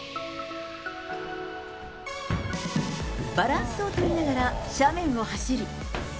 バランスを取りながら斜面を走る。